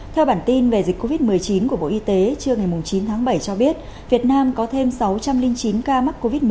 theo bản tin về dịch covid một mươi chín của bộ y tế trưa ngày chín tháng bảy cho biết việt nam có thêm sáu trăm linh chín ca mắc covid một mươi chín